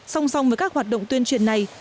song song với các hoạt động tuyên truyền này